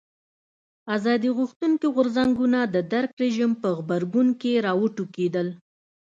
ازادي غوښتونکي غورځنګونه د درګ رژیم په غبرګون کې راوټوکېدل.